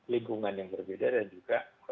lingkungan yang berbeda dan juga